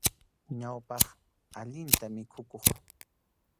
Ñawpaq, allinta mikhukuq.